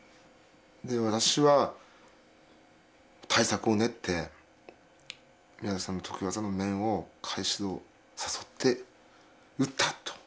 私は対策を練って宮崎さんの得意技の面を返し胴を誘って打ったと。